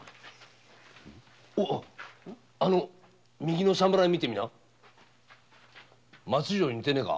あの右の侍見てみな松次郎に似てねえか？